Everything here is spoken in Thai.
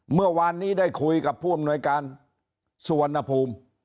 เมื่อวานนี้ได้คุยกับผู้อำนวยการสุวรรณภูมิ